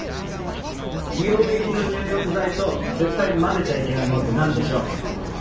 硫黄入りの入浴剤と絶対混ぜちゃいけないものって何でしょう？